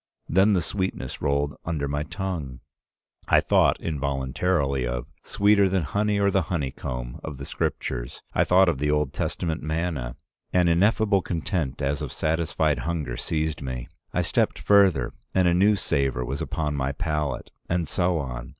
Then the sweetness rolled under my tongue. I thought involuntarily of 'Sweeter than honey or the honeycomb' of the Scripture. I thought of the Old Testament manna. An ineffable content as of satisfied hunger seized me. I stepped further, and a new savor was upon my palate. And so on.